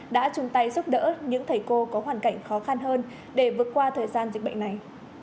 đã chung tay giúp đỡ những thầy cô có hoàn cảnh khó khăn hơn để vượt qua thời gian dịch bệnh này